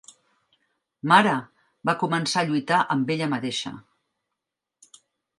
"Mare!" Va començar a lluitar amb ella mateixa.